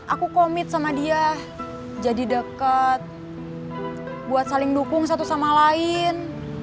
aku komit sama dia jadi dekat buat saling dukung satu sama lain